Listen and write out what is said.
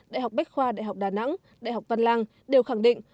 đại học bách khoa đại học đà nẵng đại học văn lang đều khẳng định